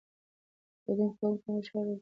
ګډون کوونکو هوږه هره ورځ کاروله.